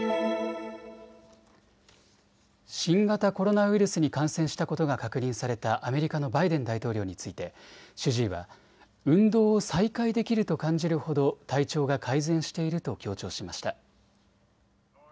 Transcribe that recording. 新型コロナウイルスに感染したことが確認されたアメリカのバイデン大統領について主治医は運動を再開できると感じるほど体調が改善していると強調しました。